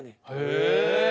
へえ。